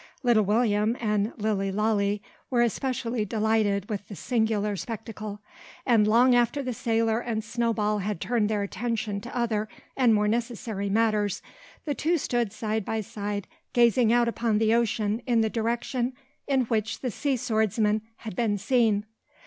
Little William and Lilly Lalee were especially delighted with the singular spectacle; and long after the sailor and Snowball had turned their attention to other and more necessary matters, the two stood side by side gazing out upon the ocean in the direction in which the sea swordsman had been seen.